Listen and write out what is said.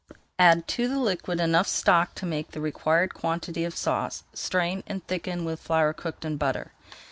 Add to the liquid enough stock to make the required quantity of sauce, strain, and thicken with flour cooked in butter.